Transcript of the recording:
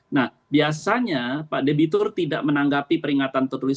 nah biasanya pak debitur tidak menanggapi peringatan tertulis